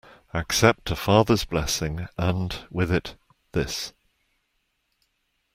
Accept a father's blessing, and with it, this.